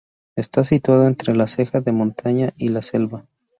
Está situado entre la ceja de montaña y la selva.